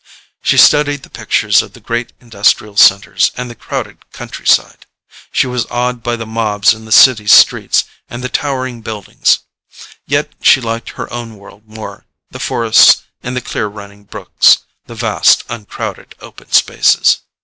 She studied the pictures of the great industrial centers and the crowded countryside. She was awed by the mobs in the city streets and the towering buildings. Yet she liked her own world more the forests and the clear running brooks; the vast, uncrowded, open spaces.